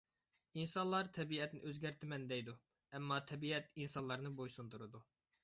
ئىنسانلار تەبىئەتنى ئۆزگەرتىمەن دەيدۇ، ئەمما تەبىئەت ئىنسانلارنى بويسۇندۇرىدۇ.